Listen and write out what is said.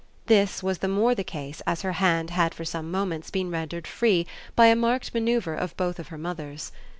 This was the more the case as her hand had for some moments been rendered free by a marked manoeuvre of both of her mother's.